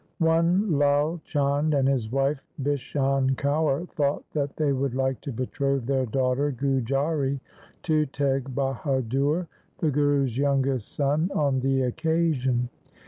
One Lai Chand and his wife Bishan Kaur thought that they would like to betroth their daughter Gujari to Teg Bahadur, the Guru's youngest son, on the occasion.